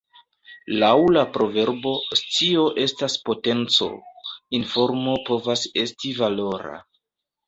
Laŭ la proverbo "scio estas potenco" informo povas esti valora.